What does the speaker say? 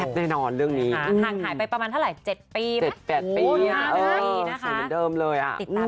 แซ่บในนอนเรื่องนี้ห่างหายไปประมาณเท่าไหร่๗ปี๗๘ปีติดตามด้วย